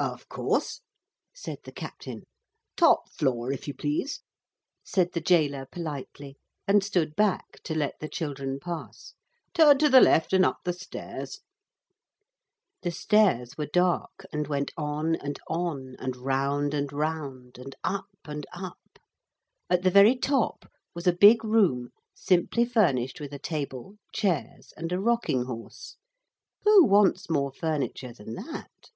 'Of course,' said the captain. 'Top floor, if you please,' said the gaoler politely, and stood back to let the children pass. 'Turn to the left and up the stairs.' [Illustration: 'Top floor, if you please,' said the gaoler politely.] The stairs were dark and went on and on, and round and round, and up and up. At the very top was a big room, simply furnished with a table, chairs, and a rocking horse. Who wants more furniture than that?